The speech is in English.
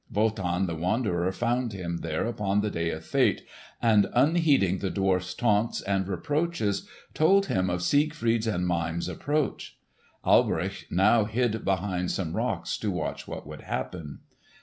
Wotan the Wanderer found him there upon this day of fate, and unheeding the dwarf's taunts and reproaches told him of Siegfried's and Mime's approach. Alberich now hid behind some rocks to watch what should happen.